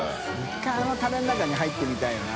渦あのタレの中に入ってみたいよな。